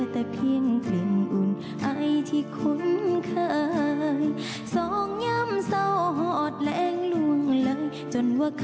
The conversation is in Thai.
แฟนเก่าบดซ่าวลูก